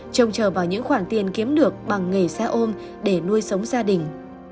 trông chờ vào những khoản tiền kiếm được bằng nghề xe ôm để nuôi sống gia đình